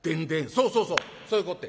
「そうそうそうそういうこって。